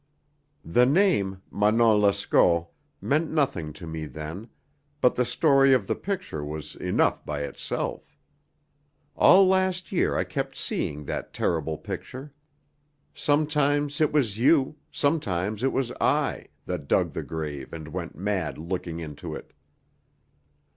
The name, Manon Lescaut, meant nothing to me then, but the story of the picture was enough by itself. All last year I kept seeing that terrible picture. Sometimes it was you, sometimes it was I, that dug the grave and went mad looking into it."